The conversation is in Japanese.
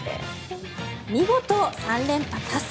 見事、３連覇達成。